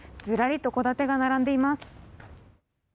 ずらりと戸建てが並んでいます。